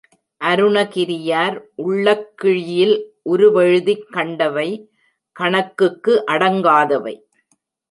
அருணகிரியார் உள்ளக்கிழியில் உருவெழுதிக் கண்டவை கணக்குக்கு அடங்காதவை.